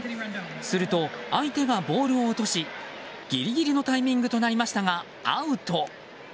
すると、相手がボールを落としギリギリのタイミングとなりましたが、アウト！